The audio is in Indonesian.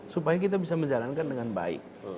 supaya kita bisa menjalankan dengan baik